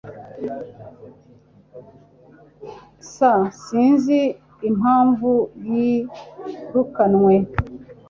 S Sinzi impamvu yirukanwe. .